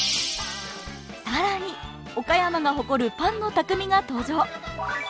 更に岡山が誇るパンの匠が登場。